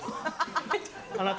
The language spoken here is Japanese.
・あなた？